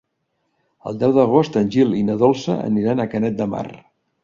El deu d'agost en Gil i na Dolça aniran a Canet de Mar.